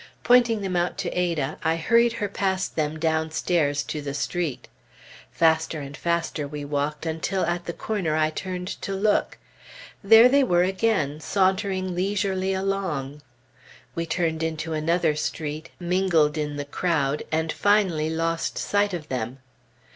Pointing them out to Ada, I hurried her past them downstairs to the street. Faster and faster we walked, until at the corner I turned to look. There they were again, sauntering leisurely along. We turned into another street, mingled in the crowd, and finally lost sight of them.